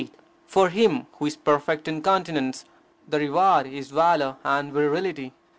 For him who is perfect in continence, the reward is valour and virility.